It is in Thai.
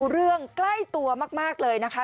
เรื่องใกล้ตัวมากเลยนะคะ